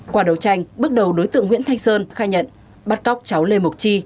qua đấu tranh bước đầu đối tượng nguyễn thanh sơn khai nhận bắt cóc cháu lê mộc chi